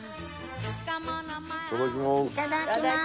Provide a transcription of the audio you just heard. いただきます。